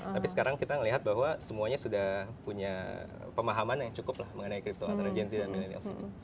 tapi sekarang kita melihat bahwa semuanya sudah punya pemahaman yang cukup lah mengenai crypto antara gen y dan millennials ini